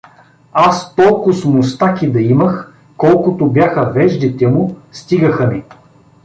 Аз толкоз мустаки да имах, колкото бяха веждите му, стигаха ми.